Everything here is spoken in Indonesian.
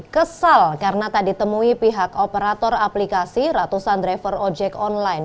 kesal karena tak ditemui pihak operator aplikasi ratusan driver ojek online